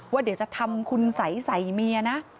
ว่าเดี๋ยวจะทำคุณสัยใส่เมียนะ